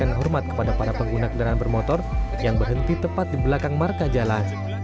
memberikan hormat kepada para pengguna kendaraan bermotor yang berhenti tepat di belakang marka jalan